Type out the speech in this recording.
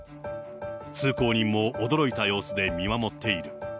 通行人も驚いた様子で見守っている。